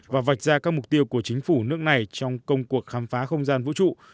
và vạch ra các mục tiêu của chính phủ nước này trong công cuộc khám phá không gian vũ trụ